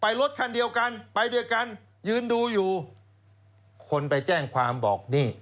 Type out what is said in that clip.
รถคันเดียวกันไปด้วยกันยืนดูอยู่คนไปแจ้งความบอกนี่